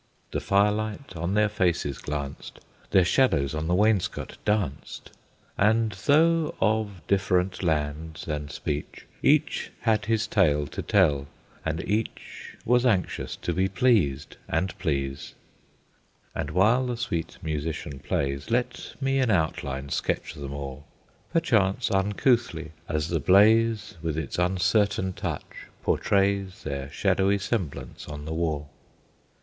The fire light on their faces glanced, Their shadows on the wainscot danced, And, though of different lands and speech, Each had his tale to tell, and each Was anxious to be pleased and please. And while the sweet musician plays, Let me in outline sketch them all, Perchance uncouthly as the blaze With its uncertain touch portrays Their shadowy semblance on the wall.